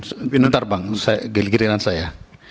sebentar bang kirinan saya